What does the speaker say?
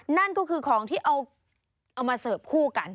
นั่นก็คือของที่เอามาเสิร์ฟคู่กัน